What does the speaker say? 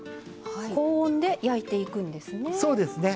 高温で焼いていくんですね。